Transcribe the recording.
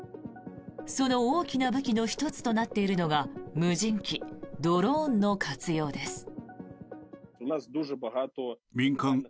その大きな武器の１つとなっているのが無人機、ドローンの活用です。